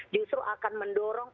justru akan mendorong